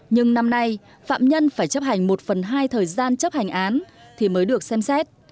nhưng năm nay phạm nhân phải chấp hành một phần hai thời gian chấp hành án thì mới được xem xét